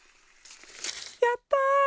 やった！